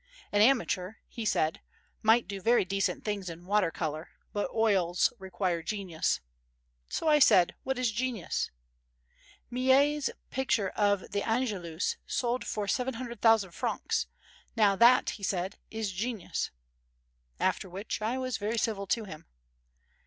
"An amateur," he said, "might do very decent things in water colour, but oils require genius." So I said: "What is genius?" "Millet's picture of the Angelus sold for 700,000 francs. Now that," he said, "is genius." After which I was very civil to him.